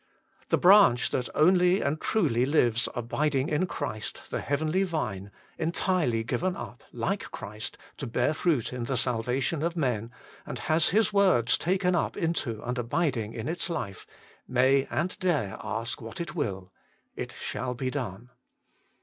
The branch that only and truly lives abiding in Christ, the Heavenly Vine, entirely given up, like Christ, to bear fruit in the salvation of men, and has His words taken up into and abiding in its life, may and dare ask what it will it shall be done.